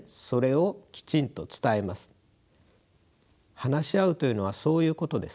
話し合うというのはそういうことです。